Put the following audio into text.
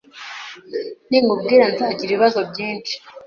Ninkubwira, nzagira ibibazo byinshi